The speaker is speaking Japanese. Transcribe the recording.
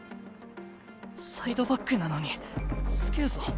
サイドバックなのにすげえぞ。